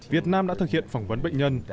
việt nam đã thực hiện phỏng vấn bệnh nhân